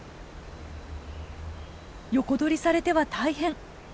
横取りされては大変！